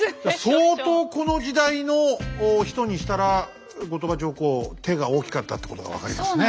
相当この時代の人にしたら後鳥羽上皇手が大きかったってことが分かりますね。